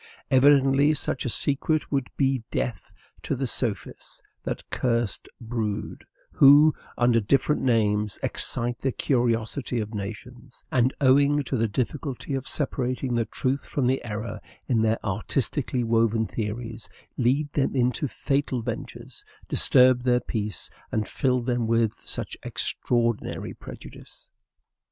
Evidently such a secret would be death to the sophists, that cursed brood, who, under different names, excite the curiosity of nations, and, owing to the difficulty of separating the truth from the error in their artistically woven theories, lead them into fatal ventures, disturb their peace, and fill them with such extraordinary prejudice.